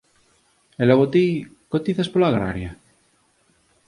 E logo ti, cotizas pola agraria?